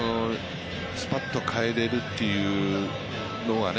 スパッと代えれるというのは。